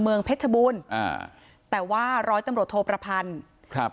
เพชรบูรณ์อ่าแต่ว่าร้อยตำรวจโทประพันธ์ครับ